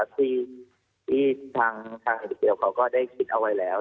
ที่ทางหลุงเดี่ยวเค้าก็ได้คิดเอาไว้แล้ว